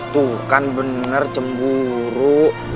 tuh kan bener cemburu